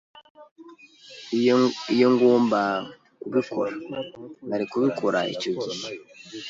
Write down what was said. Iyo ngomba kubikora, nari kubikora icyo gihe.